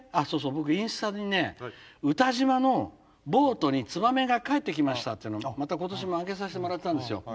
僕インスタにね詩島のボートにつばめが帰ってきましたっていうのをまた今年も上げさせてもらったんですよ。